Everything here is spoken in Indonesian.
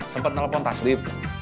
sempet telepon tasdip